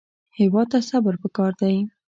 هېواد ته صبر پکار دی